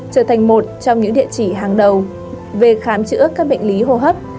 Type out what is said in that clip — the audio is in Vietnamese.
trở thành một trong những địa chỉ hàng đầu về khám chữa các bệnh lý hô hấp